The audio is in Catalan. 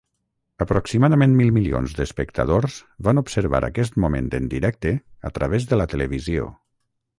Aproximadament mil milions d'espectadors van observar aquest moment en directe a través de la televisió.